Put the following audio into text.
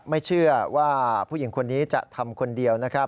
ไม่เชื่อว่าผู้หญิงคนนี้จะทำคนเดียวนะครับ